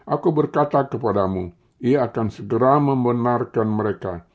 aku berkata kepadamu ia akan segera membenarkan mereka